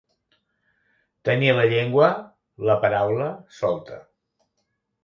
Tenir la llengua, la paraula, solta.